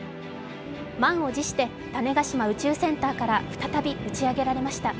満を持して種子島宇宙センターから再び打ち上げられました。